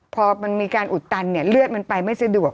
พอมันมีการอุดตันเนี่ยเลือดมันไปไม่สะดวก